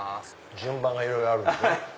順番がいろいろあるんですね。